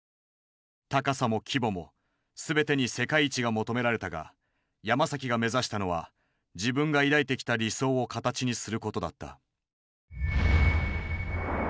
高さも規模も全てに世界一が求められたがヤマサキが目指したのは自分が抱いてきた理想を形にすることだった。